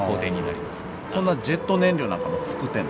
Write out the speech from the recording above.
そんなジェット燃料なんかもつくってんの？